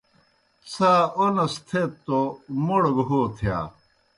څھا اونَس تھیت توْ موْڑ گہ ہو تِھیا۔